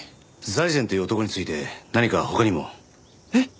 財前という男について何か他にも？えっ？